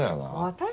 私？